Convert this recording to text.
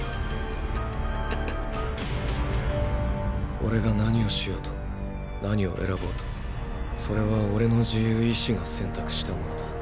オレが何をしようと何を選ぼうとそれはオレの自由意思が選択したものだ。